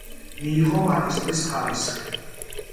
მიიღო მაგისტრის ხარისხი.